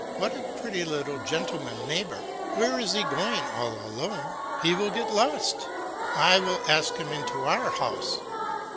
"What a pretty little gentleman, neighbour? Where is he going all alone? He will get lost! I will ask him into our house."